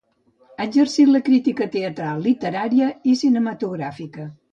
Ha exercit la crítica teatral, literària i cinematogràfica.